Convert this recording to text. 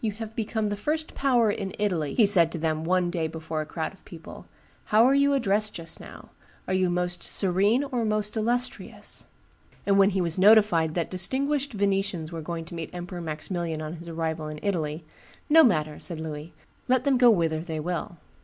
"You have become the first power in Italy," he said to then one day before a crowd of people: "how are you addressed just now? Are you Most Serene or Most Illustrious?" And when he was notified that distinguished Venetians were going to meet Emperor Maximilian on his arrival in Italy, "No matter," said Louis; "let them go whither they will."